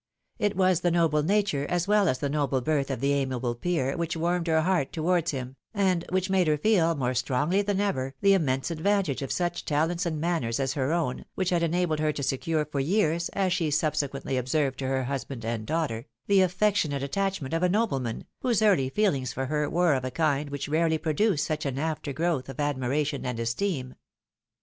It was the noble nature, as well as the noble birth, of the amiable peer, which warmed her heart towards him, and which made her feel, more strongly than ever, the immense advantage of such talents and manners as her own, which had enabled her to secure for years, as she subsequently observed to her husband and daughter, the affectionate attach ment of a nobleman, whose early feehngs for her were of a kind which rarely produced such an after growth of admiration and esteem.